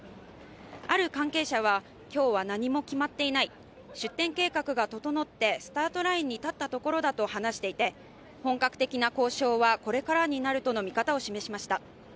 ある関係者は今日は何も決まっていない、出店計画が整ってスタートラインに立ったところだと話していて本格的な交渉はこれからになるとの見方を示しました。